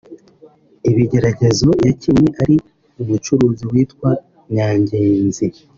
Ibigeragezo[yakinnye ari umucuruzi witwa Nyangenzi]